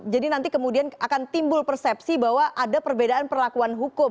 nanti kemudian akan timbul persepsi bahwa ada perbedaan perlakuan hukum